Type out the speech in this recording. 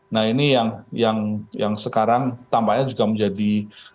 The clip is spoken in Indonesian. nah ini yang sekarang tampaknya juga menjadi